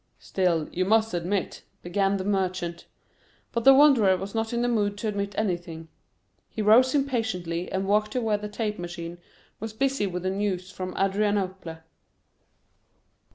"Still, you must admit—" began the Merchant. But the Wanderer was not in the mood to admit anything. He rose impatiently and walked to where the tape machine was busy with the news from Adrianople.